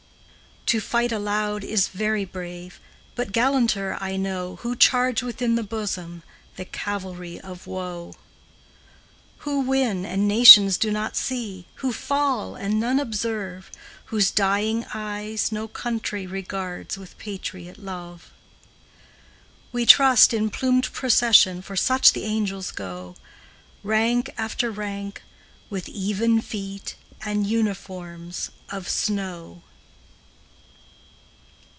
To fight aloud is very brave, But gallanter, I know, Who charge within the bosom, The cavalry of woe. Who win, and nations do not see, Who fall, and none observe, Whose dying eyes no country Regards with patriot love. We trust, in plumed procession, For such the angels go, Rank after rank, with even feet And uniforms of snow.